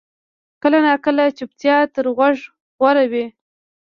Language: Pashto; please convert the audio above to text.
کله ناکله چپتیا تر غږ غوره وي.